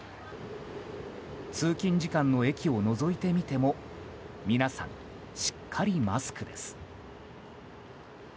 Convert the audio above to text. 通勤時間の駅をのぞいてみても皆さん、しっかりマスクです。